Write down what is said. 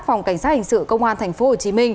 phòng cảnh sát hành sự công an tp hcm